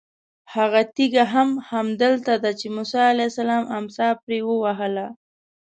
هغه تېږه هم همدلته ده چې موسی علیه السلام امسا پرې ووهله.